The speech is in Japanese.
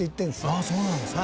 ああそうなんですね。